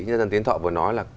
nhân dân tiến thọ vừa nói là